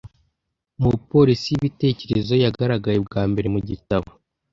Mu Polisi Yibitekerezo yagaragaye bwa mbere mu gitabo